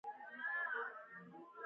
هغوی یوځای د آرام بام له لارې سفر پیل کړ.